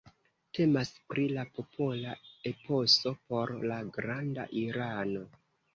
Temas pri la popola eposo por la Granda Irano.